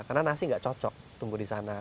karena nasi tidak cocok tumbuh di sana